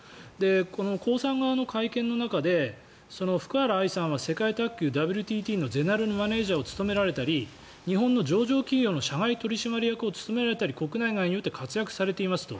このコウさん側の会見の中で福原愛さんは世界卓球ＷＴＴのゼネラルマネジャーを務められたり日本の上場企業の社外取締役を務められたり国内外において活躍されていますと。